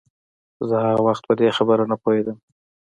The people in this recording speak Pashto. زه هغه وخت په دې خبره نه پوهېدم.